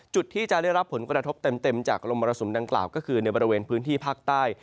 จุดที่จะได้รับผลกระทบเต็มจากลมมรสุมดังกล่าวก็คือในบริเวณพื้นที่ภาคใต้